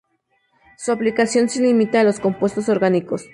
Su aplicación se limita a los compuestos orgánicos.